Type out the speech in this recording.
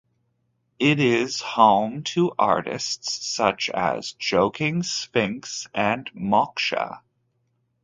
It is home to artists such as Joking Sphinx and Moksha.